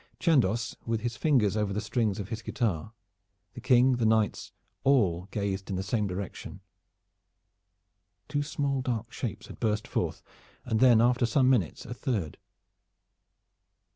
Chandos, with his fingers over the strings of his guitar, the King, the knights, all gazed in the same direction. Two small dark shapes had burst forth, and then after some minutes a third.